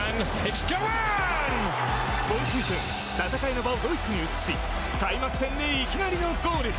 今シーズン戦いの場をドイツに移し開幕戦でいきなりのゴール。